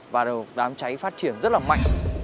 và đám cháy phát triển rất là mạnh